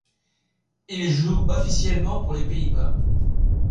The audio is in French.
Il joue officiellement pour les Pays-Bas.